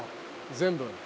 全部。